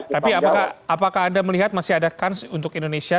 tapi apakah anda melihat masih ada kans untuk indonesia